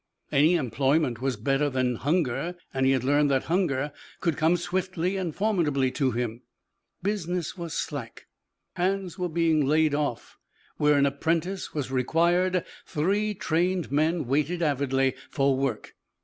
Any employment was better than hunger and he had learned that hunger could come swiftly and formidably to him. Business was slack, hands were being laid off; where an apprentice was required, three trained men waited avidly for work.